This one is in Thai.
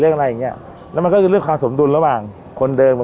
อะไรอย่างเงี้ยแล้วมันก็คือเรื่องความสมดุลระหว่างคนเดิม